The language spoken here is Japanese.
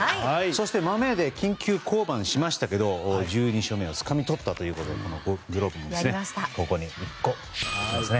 そしてマメで緊急降板しましたけど１２勝目をつかみ取ったということでグローブもここに１個。